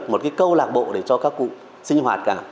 một cái câu lạc bộ để cho các cụ sinh hoạt cả